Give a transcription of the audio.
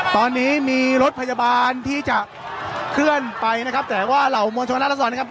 ตอนนี้มีรถพยาบาลที่จะเคลื่อนไปนะครับแต่ว่าเหล่ามวลชนรัฐศรนะครับ